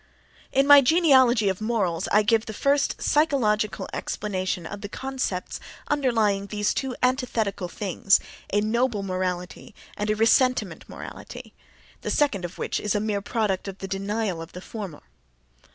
In my "Genealogy of Morals" I give the first psychological explanation of the concepts underlying those two antithetical things, a noble morality and a ressentiment morality, the second of which is a mere product of the denial of the former.